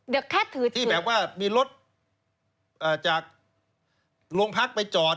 เดี๋ยวแค่ถือที่แบบว่ามีรถจากโรงพักไปจอด